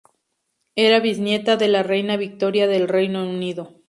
Era bisnieta de la reina Victoria del Reino Unido.